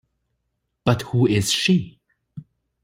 But who is she?